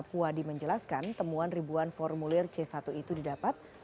puadi menjelaskan temuan ribuan formulir c satu itu didapat